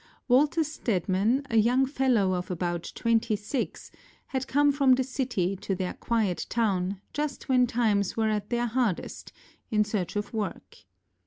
Walter Stedman, a young fellow of about twenty six, had come from the city to their quiet town, just when times were at their hardest, in search of work.